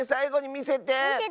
みせて。